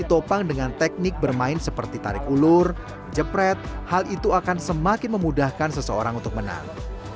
ditopang dengan teknik bermain seperti tarik ulur jepret hal itu akan semakin memudahkan seseorang untuk menang